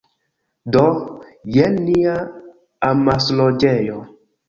Do, jen nia amasloĝejo